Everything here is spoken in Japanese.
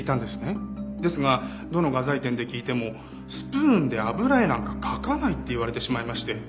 ですがどの画材店で聞いてもスプーンで油絵なんか描かないって言われてしまいまして。